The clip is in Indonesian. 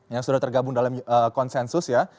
yang sudah tergabung dalam konsensus ya